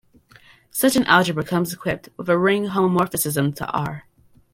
Such an algebra comes equipped with a ring homomorphism to "R".